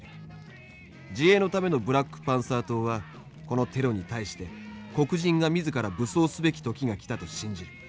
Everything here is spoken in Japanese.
自衛のためのブラック・パンサー党はこのテロに対して黒人が自ら武装すべき時が来たと信じる。